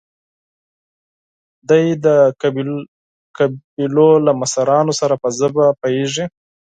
دی د قبيلو له مشرانو سره په ژبه پوهېږي.